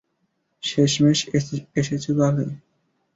শেষমেশ এসেছ তাহলে।